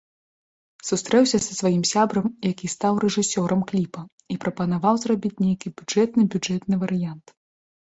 Сустрэўся са сваім сябрам, які стаў рэжысёрам кліпа, і прапанаваў зрабіць нейкі бюджэтны-бюджэтны варыянт.